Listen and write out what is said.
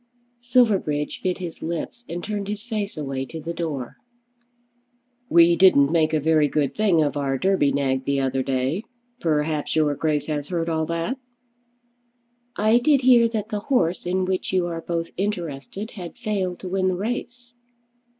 Silverbridge bit his lips and turned his face away to the door. "We didn't make a very good thing of our Derby nag the other day. Perhaps your Grace has heard all that?" "I did hear that the horse in which you are both interested had failed to win the race."